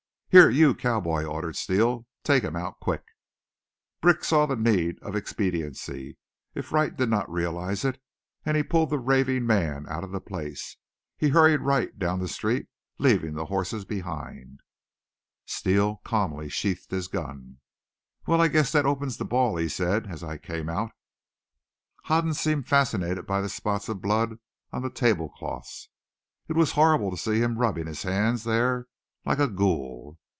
"Here, you cowboy," ordered Steele; "take him out, quick!" Brick saw the need of expediency, if Wright did not realize it, and he pulled the raving man out of the place. He hurried Wright down the street, leaving the horses behind. Steele calmly sheathed his gun. "Well, I guess that opens the ball," he said as I came out. Hoden seemed fascinated by the spots of blood on the table cloths. It was horrible to see him rubbing his hands there like a ghoul!